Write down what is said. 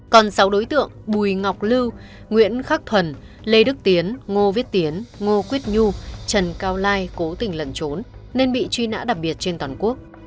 còn sáu đối tượng bùi ngọc lưu nguyễn khắc thuần lê đức tiến ngô viết tiến ngô quýt nhu trần cao lai cố tình lẩn trốn nên bị truy nã đặc biệt trên toàn quốc